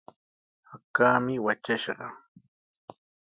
Hakaami watrashqa.